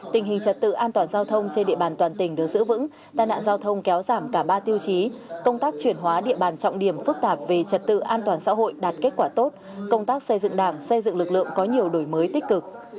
tình hình trật tự an toàn giao thông trên địa bàn toàn tỉnh được giữ vững tai nạn giao thông kéo giảm cả ba tiêu chí công tác chuyển hóa địa bàn trọng điểm phức tạp về trật tự an toàn xã hội đạt kết quả tốt công tác xây dựng đảng xây dựng lực lượng có nhiều đổi mới tích cực